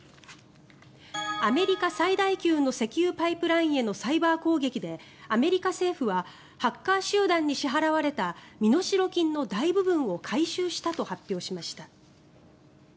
アメリカ最大級の石油パイプラインへのサイバー攻撃でアメリカ政府はハッカー集団に支払われた身代金の大部分を回収したと発表しました。